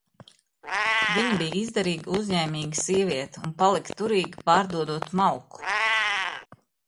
Viņa bija izdarīga, uzņēmīga sieviete un palika turīga, pārdodot malku.